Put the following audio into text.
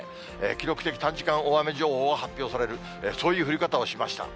記録的短時間大雨情報が発表される、そういう降り方をしました。